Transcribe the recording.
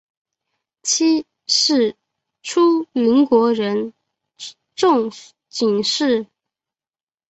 妻是出云国人众井氏。